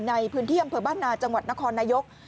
ในพื้นที่อำเภอบ้านนาจังหวัดนครนายก